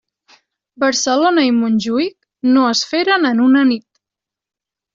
Barcelona i Montjuïc no es feren en una nit.